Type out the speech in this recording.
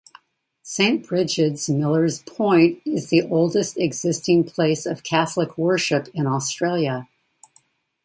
Saint Brigid's Millers Point is the oldest existing place of Catholic worship in Australia.